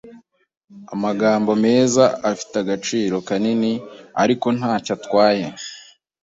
Amagambo meza afite agaciro kanini, ariko ntacyo atwaye.